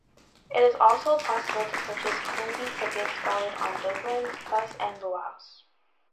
It is also possible to purchase 'Combi' tickets valid on Dublin Bus and Luas.